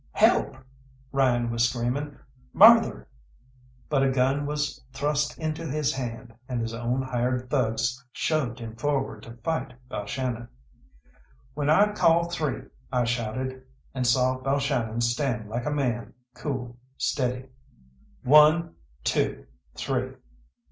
"Help!" Ryan was screaming. "Murther!" But a gun was thrust into his hand, and his own hired thugs shoved him forward to fight Balshannon. "When I call 'Three!'" I shouted, and saw Balshannon stand like a man, cool, steady. "One, two, three!"